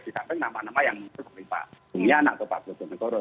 misalnya nama nama yang menurut pak punya anak ke pak butuh nekoro